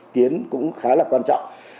tiến cũng khá là quan trọng